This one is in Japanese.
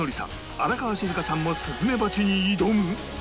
荒川静香さんもスズメバチに挑む！？